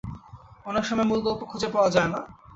অনেক সময় মূল গল্প খুঁজে পাওয়া যায় না।